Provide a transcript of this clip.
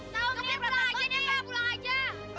tahu menir pulang aja nih pak pulang aja